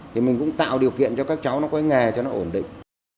thì mình cũng tạo điều kiện cho các cháu nó có cái nghề cho nó ổn định